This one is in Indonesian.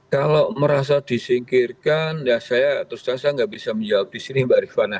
kalau merasa disingkirkan ya saya terus sedang saya gak bisa menjawab di sini mbak ritwana